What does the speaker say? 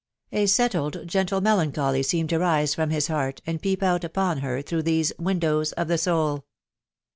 A settled, gentle melancholy, seemed to rise from his heart, and peep out upon her through these " windows of the soul."